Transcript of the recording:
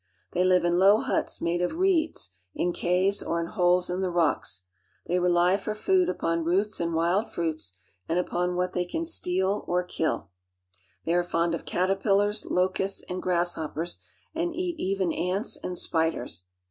They live in low huts made of ■ieeds, in caves, or in holes in the rocks. They rely for ■food upon roots and wild fruits, and upon what they can 1 steal 01 kill. They :u c fond uf Cdturpilliira, lucu.'iLs, and ■ grasshoppers, and eat even ants and spiders.